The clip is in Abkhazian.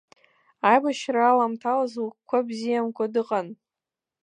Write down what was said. Аибашьра аламҭалаз лыгәқәа бзиамкәа дыҟан.